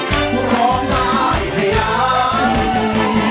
ถ้าเป็นภาษาอังกฤษบอกเลย